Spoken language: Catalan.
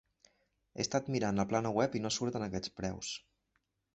He estat mirant la plana web i no surten aquests preus.